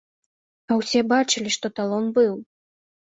А ўсе бачылі, што талон быў!